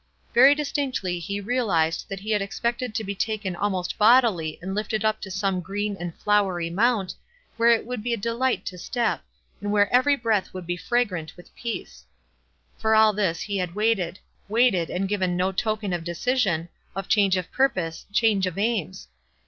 Very distinct ly he realized that he had expected to be taken almost bodily and lifted up to some green and flowery mount, where it would be a delight to step, and where every breath would be fragrant with peace. For all this he had waited — waited and given no token of decision, of change of purpose, change of aims.